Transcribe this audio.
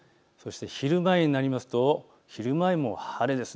昼前になりますと昼前も晴れです。